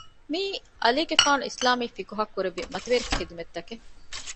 މިއީ ޢަލީގެފާނު އިސްލާމީ ފިޤުހަށް ކުރެއްވި މަތިވެރި ޚިދުމަތްތަކެއް